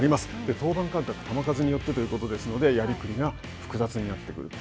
登板間隔、球数によってということですので、複雑になってくると。